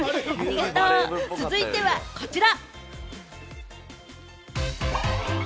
続いてはこちら。